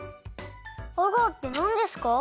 アガーってなんですか？